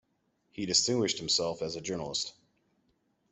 He distinguished himself as a journalist.